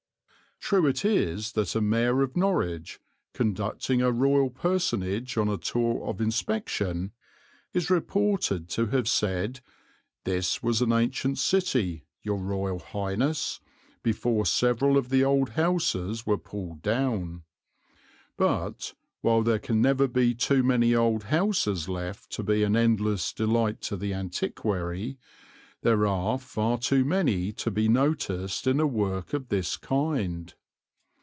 True it is that a mayor of Norwich, conducting a royal personage on a tour of inspection, is reported to have said "this was an ancient city, Your Royal Highness, before several of the old houses were pulled down," but, while there can never be too many old houses left to be an endless delight to the antiquary, there are far too many to be noticed in a work of this kind.